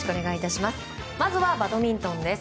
まずはバドミントンです。